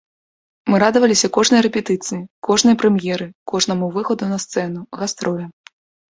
Мы радаваліся кожнай рэпетыцыі, кожнай прэм'еры, кожнаму выхаду на сцэну, гастролям.